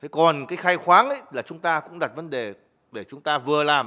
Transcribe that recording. còn cái khai khoáng là chúng ta cũng đặt vấn đề để chúng ta vừa làm